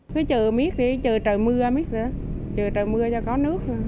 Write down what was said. trời mưa trời mưa cho có nước